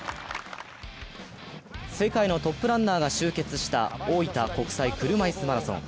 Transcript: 世界のトップランナーが集結した大分国際車いすマラソン。